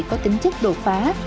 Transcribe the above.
có tính chất đột phá